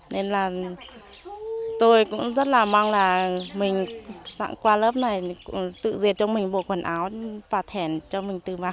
nên là tôi cũng rất là mong là mình sẵn qua lớp này tự dệt cho mình bộ quần áo bà thẻn cho mình tự mặc